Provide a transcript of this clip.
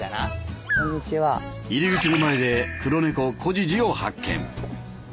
入り口の前で黒猫コジジを発見！